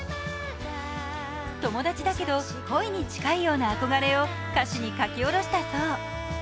友達だけど恋に近いような憧れを歌詞に書き下ろしたそう。